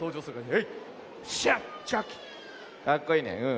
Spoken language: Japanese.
かっこいいねうん。